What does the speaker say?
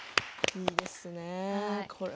いいですね。